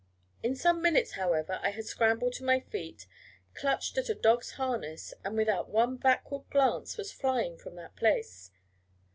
In some minutes, however, I had scrambled to my feet, clutched at a dog's harness, and without one backward glance, was flying from that place.